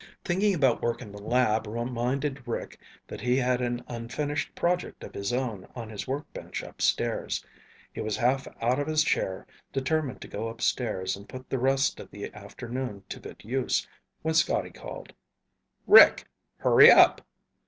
Thinking about work in the lab reminded Rick that he had an unfinished project of his own on his workbench upstairs. He was half out of his chair, determined to go upstairs and put the rest of the afternoon to good use, when Scotty called. "Rick! Hurry up."